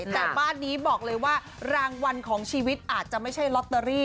แต่บ้านนี้บอกเลยว่ารางวัลของชีวิตอาจจะไม่ใช่ลอตเตอรี่